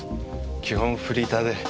基本フリーターで。